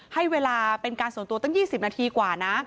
ให้เวลาเป็นการส่วนตัวตั้ง๒๐นาทีกว่านะ